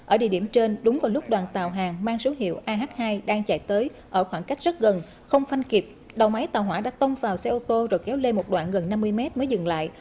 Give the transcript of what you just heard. ở địa điểm trên đúng vào lúc đoàn tàu hàng mang số hiệu ah hai đang chạy tới ở khoảng cách rất gần không phanh kịp đầu máy tàu hỏa đã tông vào xe ô tô rồi kéo lê một đoạn gần năm mươi mét mới dừng lại